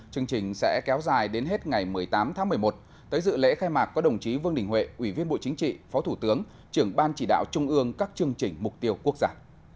chương trình sẽ kéo dài đến hết ngày một mươi tám tháng một mươi một tới dự lễ khai mạc có đồng chí vương đình huệ ủy viên bộ chính trị phó thủ tướng trưởng ban chỉ đạo trung ương các chương trình mục tiêu quốc gia